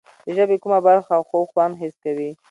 د ژبې کومه برخه خوږ خوند حس کوي؟